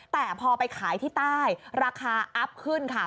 แต่พอไปขายที่ใต้ราคาอัพขึ้นค่ะ